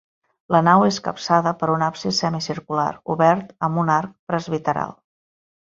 La nau és capçada per un absis semicircular, obert amb un arc presbiteral.